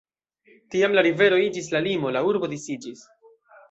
Tiam la rivero iĝis la limo, la urbo disiĝis.